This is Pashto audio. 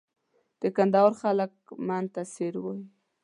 د کندهار خلک من ته سېر وایي.